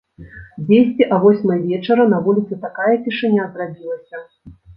Дзесьці а восьмай вечара на вуліцы такая цішыня зрабілася!